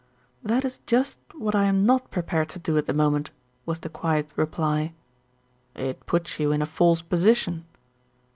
"That is just what I am not prepared to do at the moment," was the quiet reply. "It puts you in a false position."